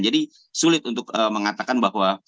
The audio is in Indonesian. sulit untuk mengatakan bahwa